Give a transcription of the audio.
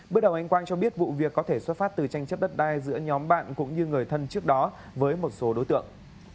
bước đầu anh quang cho biết vụ việc có thể xuất phát từ tranh chấp đất đai giữa nhóm bạn cũng như người thân trước đó với một số đối tượng